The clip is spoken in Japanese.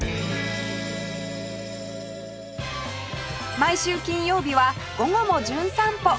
毎週金曜日は『午後もじゅん散歩』